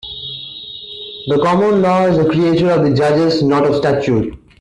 The common law is a creature of the judges, not of statute.